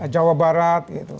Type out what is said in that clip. jawa barat gitu